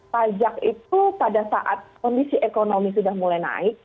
pajak itu pada saat kondisi ekonomi sudah mulai naik